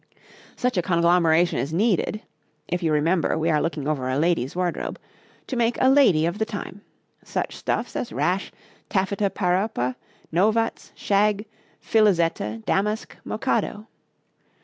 Such a conglomeration is needed (if you remember we are looking over a lady's wardrobe) to make a lady of the time: such stuffs as rash, taffeta paropa, novats, shagge, filizetta, damask, mochado.